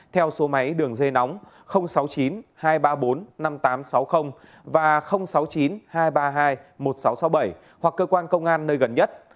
theo số máy đường dây nóng sáu mươi chín hai trăm ba mươi bốn năm nghìn tám trăm sáu mươi và sáu mươi chín hai trăm ba mươi hai một nghìn sáu trăm sáu mươi bảy hoặc cơ quan công an nơi gần nhất